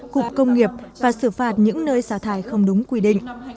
cục công nghiệp và xử phạt những nơi xả thải không đúng quy định